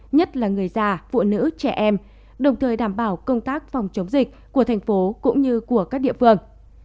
nhất là người già phụ nữ trẻ em đồng thời đảm bảo công tác phòng chống dịch của thành phố cũng như của các địa phương